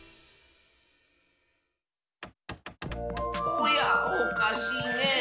おやおかしいねえ。